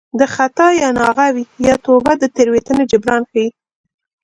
د خطا یا ناغه وي یا توبه د تېروتنې جبران ښيي